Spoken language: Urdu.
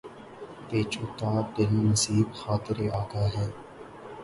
پیچ و تابِ دل نصیبِ خاطرِ آگاہ ہے